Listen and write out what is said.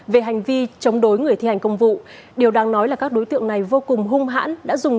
về hành vi chống đối người thi hành công vụ điều đáng nói là các đối tiệu này vô cùng hung hãn